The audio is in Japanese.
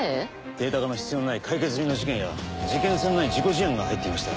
データ化の必要のない解決済みの事件や事件性のない事故事案が入っていました。